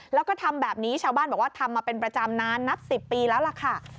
แล้วก็ทำแบบนี้ชาวบ้านบอกว่าทำมาเป็นประจำนานนับ๑๐ปีแล้วล่ะค่ะ